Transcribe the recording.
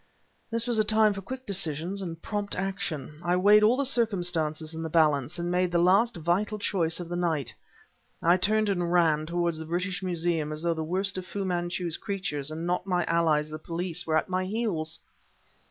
This was a time for quick decisions and prompt action. I weighed all the circumstances in the balance, and made the last vital choice of the night; I turned and ran toward the British Museum as though the worst of Fu Manchu's creatures, and not my allies the police, were at my heels!